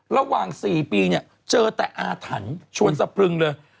ระหว่าง๔ปีเนี่ยเจอแต่อาถรรพ์ชวนสะพรึงเลย